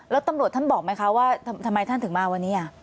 แล้วตำรวจท่านบอกไหมคะว่าทำไมท่านถึงมาวันนี้